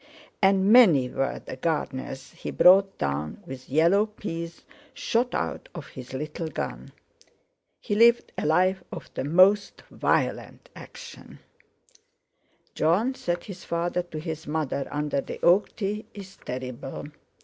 And many were the gardeners he brought down with yellow peas shot out of his little gun. He lived a life of the most violent action. "Jon," said his father to his mother, under the oak tree, "is terrible.